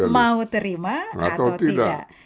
mau terima atau tidak